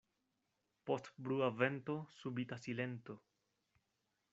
Post brua vento subita silento.